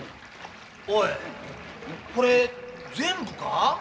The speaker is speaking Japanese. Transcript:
おいこれ全部か？